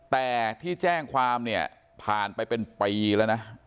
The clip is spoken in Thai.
แต่ที่แจ้งความเนี่ยผ่านไปเป็นปีแล้วนะ